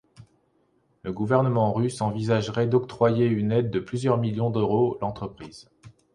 Le gouvernement russe envisagerait d'octroyer une aide de plusieurs millions d'euros l’entreprise.